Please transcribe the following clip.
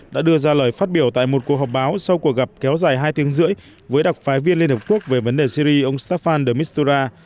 đã đưa ra lời phát biểu tại một cuộc họp báo sau cuộc gặp kéo dài hai tiếng rưỡi với đặc phái viên liên hợp quốc về vấn đề syri ông safan de mistura